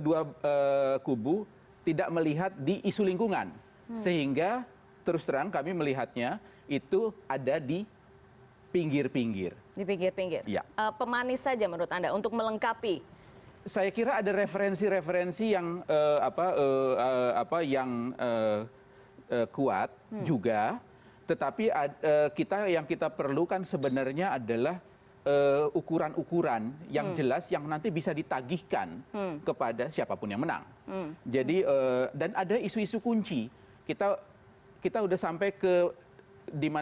dibawalah terbakar momen yang mungkin sempat dia kita angkat bahwa ini pasti menjadi salah satu